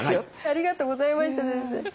ありがとうございました先生。